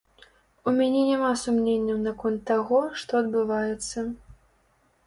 У мяне няма сумненняў наконт таго, што адбываецца.